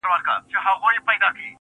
زما د زړه د كـور ډېـوې خلگ خبــري كوي,